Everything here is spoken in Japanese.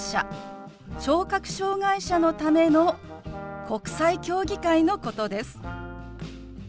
・聴覚障害者のための国際競技会のことです。